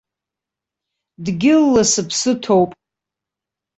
Дгьылла сыԥсы ҭоуп.